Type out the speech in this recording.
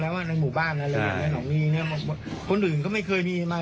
แล้วผมว่าเป็นลูกบ้านคนอื่นไม่เคยมาแล้ว